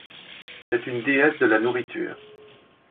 C'est une déesse de la nourriture.